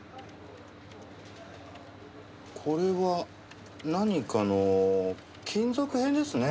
これは何かの金属片ですね。